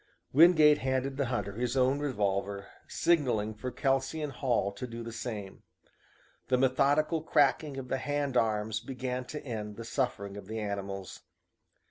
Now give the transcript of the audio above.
Wingate handed the hunter his own revolver, signaling for Kelsey and Hall to do the same. The methodical cracking of the hand arms began to end the suffering of the animals.